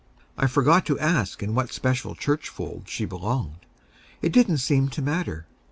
I forgot to ask in what special church fold she belonged. It didn't seem to matter.